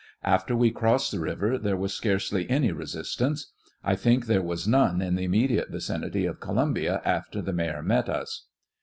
After we crossed the river there was scarcely any resistance ; I think there was none in the immediate vicinity of Columbia after the Mayor met us.